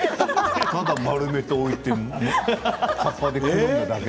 ただ丸めて置いて葉っぱを巻いただけ。